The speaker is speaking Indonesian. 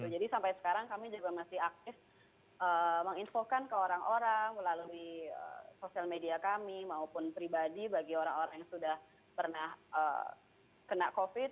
jadi sampai sekarang kami juga masih aktif menginfokan ke orang orang melalui sosial media kami maupun pribadi bagi orang orang yang sudah pernah kena covid sembilan belas